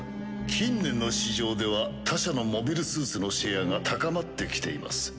近年の市場では他社のモビルスーツのシェアが高まってきています。